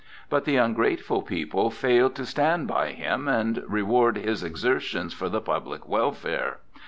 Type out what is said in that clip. But the ungrateful people failed to stand by him and reward his exertions for the public welfare.